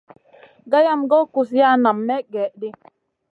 Gayam goy kuziya nam may gèh ɗi.